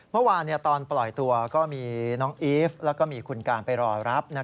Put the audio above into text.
เมื่อวานตอนปล่อยตัวก็มีน้องอีฟแล้วก็มีคุณการไปรอรับ